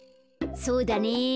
そうだね。